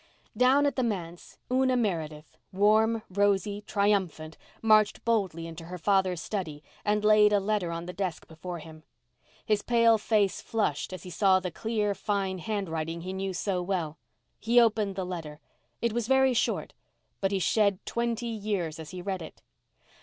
Down at the manse Una Meredith, warm, rosy, triumphant, marched boldly into her father's study and laid a letter on the desk before him. His pale face flushed as he saw the clear, fine handwriting he knew so well. He opened the letter. It was very short—but he shed twenty years as he read it.